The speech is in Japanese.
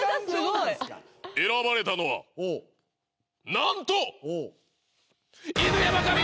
選ばれたのはなんと犬山紙子！